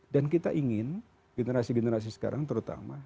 dan kita ingin generasi generasi sekarang terutama